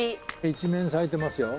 一面咲いてますよ。